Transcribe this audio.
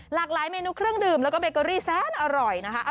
หลากหลายเมนูเครื่องดื่มแล้วก็เบเกอรี่แสนอร่อยนะคะ